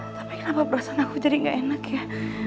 tapi kenapa perasaan aku jadi gak enak ya